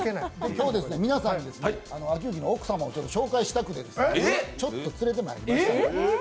今日は皆さんにおくさんをご紹介したくてちょっと連れてまいりました。